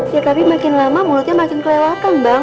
ya tapi makin lama mulutnya makin kelewatan bang